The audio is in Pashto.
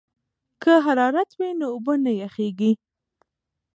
که حرارت وي نو اوبه نه یخیږي.